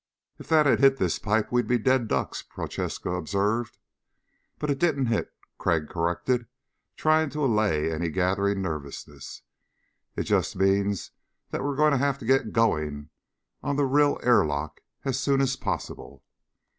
"If that had hit this pipe we'd be dead ducks," Prochaska observed. "But it didn't hit," Crag corrected, trying to allay any gathering nervousness. "It just means that we're going to have to get going on the rill airlock as soon as possible."